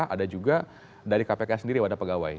ada juga dari kpk sendiri wadah pegawai